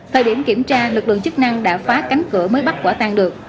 thời điểm kiểm tra lực lượng chức năng đã phá cánh cửa mới bắt quả tan được